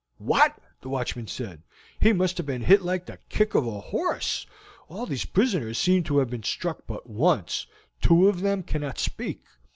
"What!" the watchman said. "He must have been hit like the kick of a horse. All these prisoners seem to have been struck but once; two of them cannot speak.